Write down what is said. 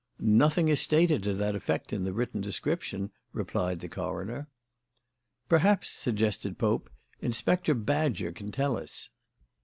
"Nothing is stated to that effect in the written description," replied the coroner. "Perhaps," suggested Pope, "Inspector Badger can tell us."